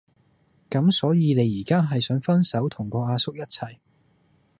咁所以你依家係想分手同個阿叔一齊